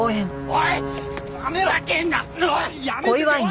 おい！